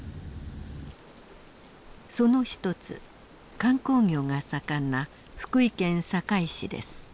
その一つ観光業が盛んな福井県坂井市です。